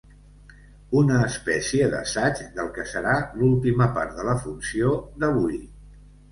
Una espècie d'assaig del que serà l'última part de la funció d'avui.